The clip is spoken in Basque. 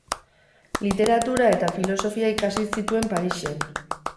Literatura eta filosofia ikasi zituen Parisen.